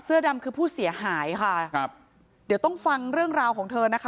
ดำคือผู้เสียหายค่ะครับเดี๋ยวต้องฟังเรื่องราวของเธอนะคะ